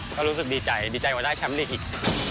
ก็รู้สึกดีใจดีใจกว่าได้แชมป์ลีกอีก